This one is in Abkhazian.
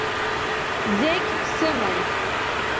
Зегь сыман.